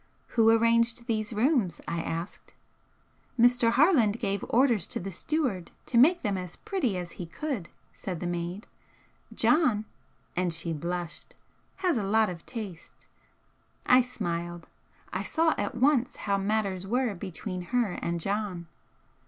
"Who arranged these rooms?" I asked. "Mr. Harland gave orders to the steward to make them as pretty as he could," said the maid "John" and she blushed "has a lot of taste." I smiled. I saw at once how matters were between her and "John."